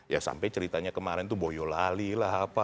ya sampai ceritanya kemarin itu boyolali lah apa